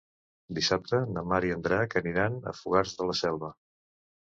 Dissabte na Mar i en Drac aniran a Fogars de la Selva.